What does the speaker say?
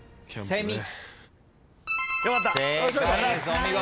お見事。